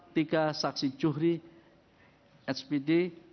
tiga saksi juhri hpdi